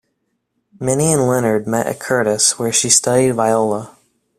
Minnie and Leonard met at Curtis, where she studied viola.